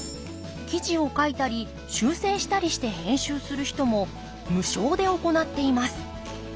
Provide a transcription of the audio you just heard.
記事を書いたり修正したりして編集する人も無償で行っています。